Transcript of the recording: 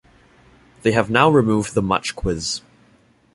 They have now removed the Much Quiz.